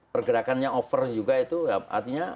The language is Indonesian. pergerakannya over juga itu artinya